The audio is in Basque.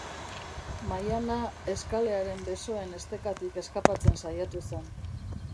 Maiana eskalearen besoen estekatik eskapatzen saiatu zen.